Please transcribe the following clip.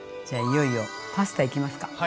じゃいよいよパスタいきますか。